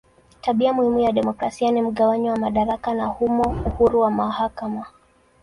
Tabia muhimu ya demokrasia ni mgawanyo wa madaraka na humo uhuru wa mahakama.